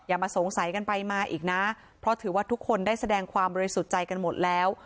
อย่ามาสงสัยกันไปมาอีกนะเพราะถือว่าทุกคนได้แสดงความบริสุทธิ์ใจกันหมดแล้ว